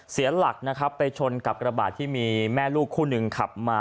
เสียหลักนะครับไปชนกับกระบาดที่มีแม่ลูกคู่หนึ่งขับมา